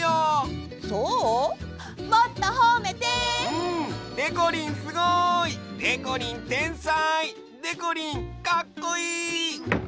うん！でこりんすごい！でこりんてんさい！でこりんかっこいい！